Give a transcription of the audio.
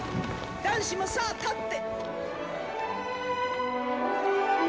男子もさあ立って！